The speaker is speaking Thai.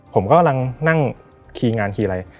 ผมก็กำลังนั่งคีย์งานคีย์อะไร